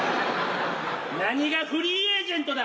何がフリーエージェントだ。